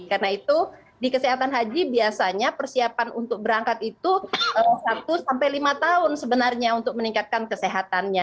karena itu di kesehatan haji biasanya persiapan untuk berangkat itu satu sampai lima tahun sebenarnya untuk meningkatkan kesehatannya